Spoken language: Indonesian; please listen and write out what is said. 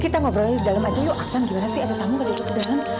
kita ngobrolnya di dalam aja yuk aksan gimana sih ada tamu gak di dalam